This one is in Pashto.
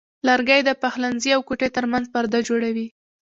لرګی د پخلنځي او کوټې ترمنځ پرده جوړوي.